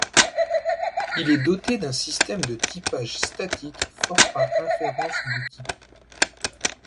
Il est doté d'un système de typage statique fort par inférence de types.